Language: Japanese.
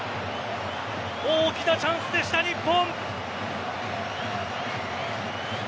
大きなチャンスでした、日本。